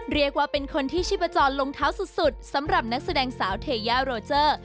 เรียกว่าเป็นคนที่ชีพจรลงเท้าสุดสำหรับนักแสดงสาวเทยาโรเจอร์